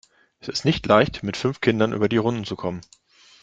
Es ist nicht leicht, mit fünf Kindern über die Runden zu kommen.